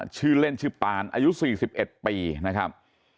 ชื่อเล่นชื่อปานอายุ๔๑ปีนะครับ